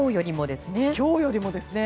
今日よりもですね。